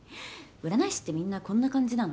占い師ってみんなこんな感じなの？